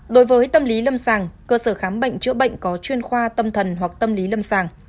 đối với tâm lý lâm sàng cơ sở khám bệnh chữa bệnh có chuyên khoa tâm thần hoặc tâm lý lâm sàng